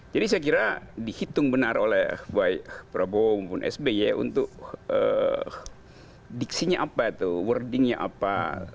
jadi saya kira dihitung benar oleh baik prabowo maupun sby untuk diksinya apa tuh wordingnya apa